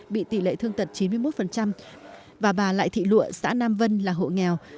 bị tỷ lệ thương tật chín mươi một và bà lại thị lụa xã nam vân là hộ nghèo